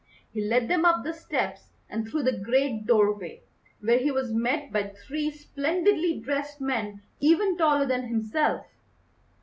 He led them up the steps and through the great doorway, where he was met by three splendidly dressed men even taller than himself.